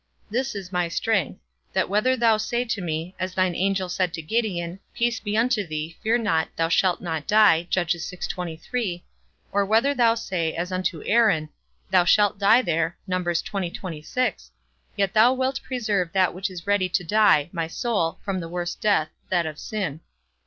This is my strength, that whether thou say to me, as thine angel said to Gideon, Peace be unto thee, fear not, thou shalt not die; or whether thou say, as unto Aaron, Thou shalt die there; yet thou wilt preserve that which is ready to die, my soul, from the worst death, that of sin.